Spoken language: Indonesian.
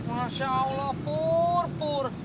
masya allah pur